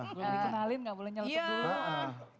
dikenalin gak boleh nyelusup dulu